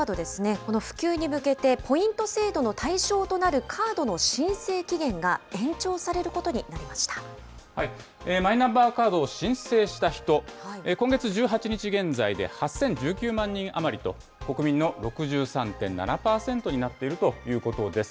この普及に向けて、ポイント制度の対象となるカードの申請期限が、マイナンバーカードを申請した人、今月１８日現在で８０１９万人余りと、国民の６３．７％になっているということです。